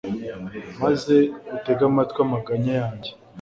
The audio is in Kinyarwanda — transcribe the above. maze utege amatwi amaganya yanjye